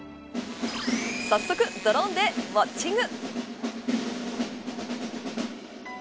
早速ドローンでウオッチング。